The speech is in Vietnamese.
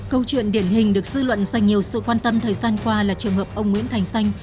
câu chuyện điển hình được dư luận dành nhiều sự quan tâm thời gian qua là trường hợp ông nguyễn thành xanh